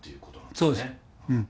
そうですうん。